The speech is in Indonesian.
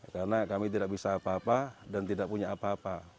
karena kami tidak bisa apa apa dan tidak punya apa apa